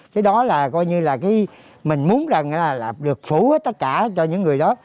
thế đó là coi như là mình muốn được phủ tất cả cho những người đó